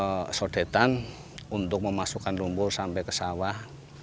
saya juga membuat sodetan untuk memasukkan lumpur sampai ke sawah